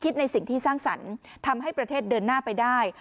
ในสิ่งที่สร้างสรรค์ทำให้ประเทศเดินหน้าไปได้